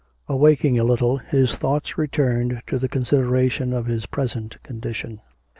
Awaking a little, his thoughts returned to the consideration of his present condition.